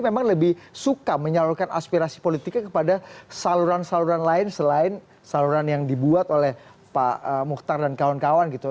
memang lebih suka menyalurkan aspirasi politiknya kepada saluran saluran lain selain saluran yang dibuat oleh pak mukhtar dan kawan kawan gitu